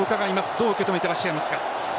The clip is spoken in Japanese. どう受け止めてらっしゃいますか？